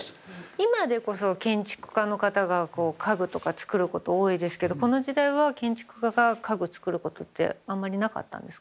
今でこそ建築家の方がこう家具とか作ること多いですけどこの時代は建築家が家具作ることってあんまりなかったんですか？